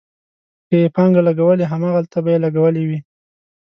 که یې پانګه لګولې، هماغلته به یې لګولې وي.